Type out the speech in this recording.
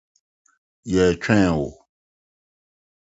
Yɛretwɛn wo.